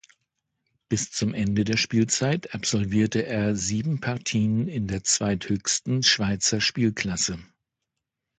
Bis zum Ende der Spielzeit absolvierte er sieben Partien in der zweithöchsten Schweizer Spielklasse.